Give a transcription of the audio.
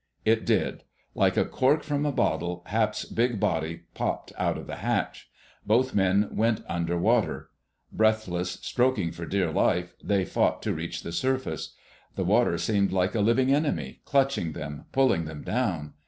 It did. Like a cork from a bottle Hap's big body popped out of the hatch. Both men went under water. Breathless, stroking for dear life, they fought to reach the surface. The water seemed like a living enemy, clutching them, pulling them down.